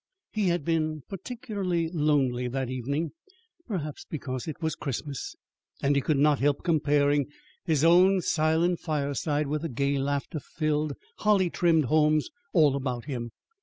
He had been particularly lonely that evening, perhaps because it was Christmas, and he could not help comparing his own silent fireside with the gay, laughter filled, holly trimmed homes all about him.